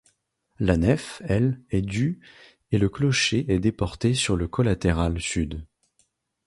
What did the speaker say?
La nef elle est du et le clocher est déporté sur le collatéral sud.